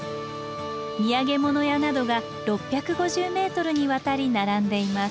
土産物屋などが６５０ｍにわたり並んでいます。